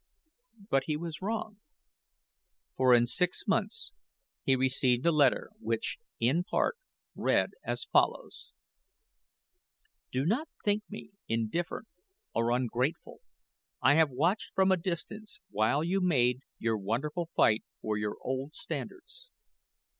But he was wrong, for in six months he received a letter which, in part, read as follows: "Do not think me indifferent or ungrateful. I have watched from a distance while you made your wonderful fight for your old standards.